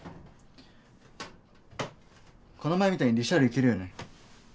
この前みたいにリシャールいけるよね？